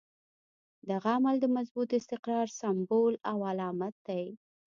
دغه عمل د مضبوط استقرار سمبول او علامت دی.